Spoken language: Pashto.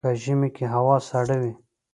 په ژمي کي هوا سړه وي.